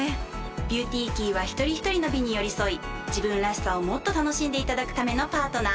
「ＢｅａｕｔｙＫｅｙ」は一人ひとりの美に寄り添い自分らしさをもっと楽しんでいただくためのパートナー。